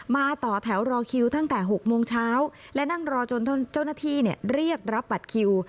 ต่อแถวรอคิวตั้งแต่๖โมงเช้าและนั่งรอจนเจ้าหน้าที่เรียกรับบัตรคิว